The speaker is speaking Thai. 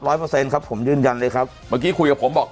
เปอร์เซ็นต์ครับผมยืนยันเลยครับเมื่อกี้คุยกับผมบอก